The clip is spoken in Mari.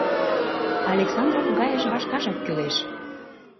Александров-Гайыш вашкашак кӱлеш!